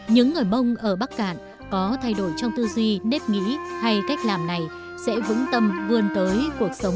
những người mông ở bắc cạn có thay đổi trong tư duy nếp nghĩ hay cách làm này sẽ vững tâm vươn tới cuộc sống